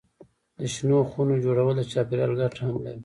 د شنو خونو جوړول د چاپېریال ګټه هم لري.